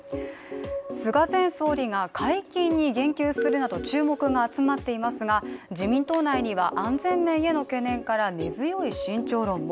菅前総理が解禁に言及するなど注目が集まっていますが、自民党内には安全面への懸念から根強い慎重論も。